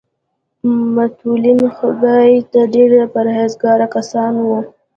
متولیان خدای ته ډېر پرهیزګاره کسان وو.